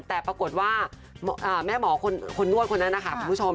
แต่ปรากฏว่าแม่หมอคนนวดคนนั้นนะคะคุณผู้ชม